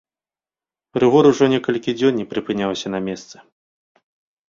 Рыгор ужо некалькі дзён не прыпыняўся на месцы.